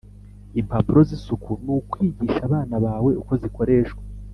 Impapuro z’ isuku nukwigisha abana bawe ukozikoreshwa